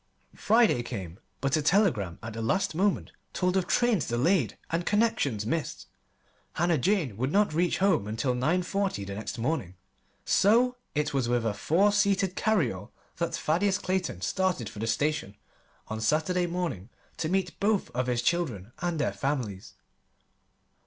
Friday came, but a telegram at the last moment told of trains delayed and connections missed. Hannah Jane would not reach home until nine forty the next morning. So it was with a four seated carryall that Thaddeus Clayton started for the station on Saturday morning to meet both of his children and their families.